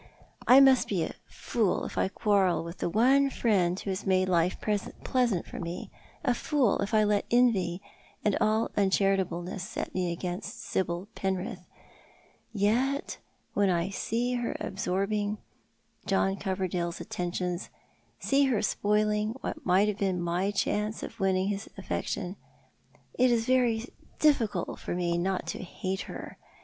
I must be a fool if I quarrel with the one friend who has made life pleasant for me a fool if I let envy and all un charitableness set me against Sibyl Penrith— yet when I see her absorbing John Coverdale's attentions, see her spoiling what might have been my chance of winning his affection, it is very difficult for me not to hate her.